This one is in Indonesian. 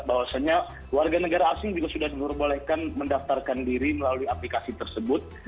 bahwasannya warga negara asing juga sudah diperbolehkan mendaftarkan diri melalui aplikasi tersebut